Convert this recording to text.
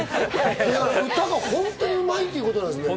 歌が本当にうまいっていうことなんですね。